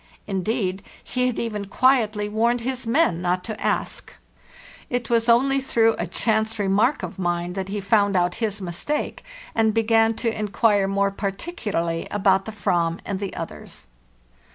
Indeed, he had even quietly warned his men not to ask. It was only through a chance remark of mine that he found out his mistake, 536 FARTHEST NORTH and began to inquire more particularly about the /vam and the others.